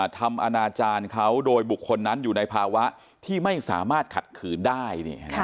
ทำอนาจารย์เขาโดยบุคคลนั้นอยู่ในภาวะที่ไม่สามารถขัดขืนได้